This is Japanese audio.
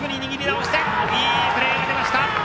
いいプレーが出ました。